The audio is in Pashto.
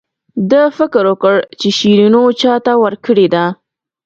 ده فکر وکړ چې شیرینو چاته ورکړې ده.